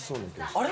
あれ？